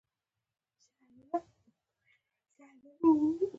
زده کړه نجونو ته د مدیریت اصول ور زده کوي.